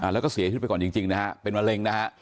แล้วก็เสียชีวิตไปก่อนจริงนะฮะเป็นมะเร็งนะฮะ